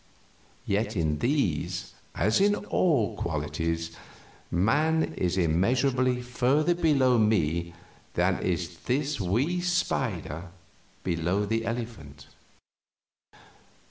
Yet in these, as in all qualities, man is immeasurably further below me than is the wee spider below the elephant.